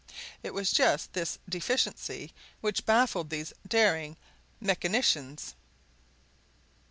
It was just this deficiency which baffled these daring mechanicians.